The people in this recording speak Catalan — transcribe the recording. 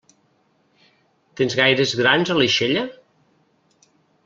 Tens gaires grans a l'aixella?